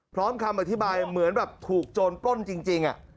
คำอธิบายเหมือนแบบถูกโจรปล้นจริง